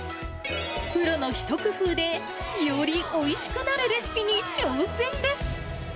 プロの一工夫で、よりおいしくなるレシピに挑戦です。